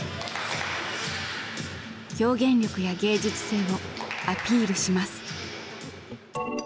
表現力や芸術性をアピールします。